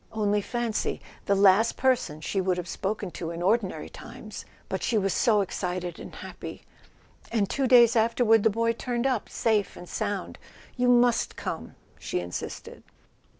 Only fancy—the last per¬ son she would have spoken to in ordinary times! But she was so excited and happy! And two days after¬ ward the boy turned up safe and sound. You must come!" she insisted.